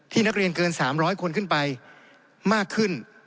นักเรียนเกิน๓๐๐คนขึ้นไปมากขึ้น